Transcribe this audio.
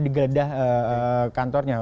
di geledah kantornya